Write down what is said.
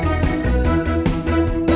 yaudah kalian jalan dulu ya